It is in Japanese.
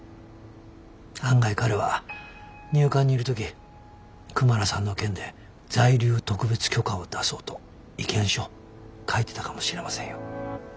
案外彼は入管にいる時クマラさんの件で在留特別許可を出そうと意見書書いてたかもしれませんよ。